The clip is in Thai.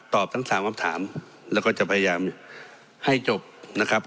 ทั้งสามคำถามแล้วก็จะพยายามให้จบนะครับ